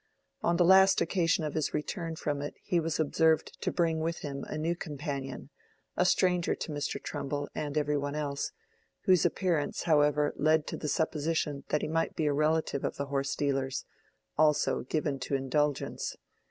On the last occasion of his return from it he was observed to bring with him a new companion, a stranger to Mr. Trumbull and every one else, whose appearance, however, led to the supposition that he might be a relative of the horse dealer's—also "given to indulgence."